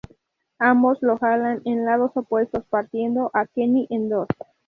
Ambos lo jalan en lados opuestos partiendo a Kenny en dos.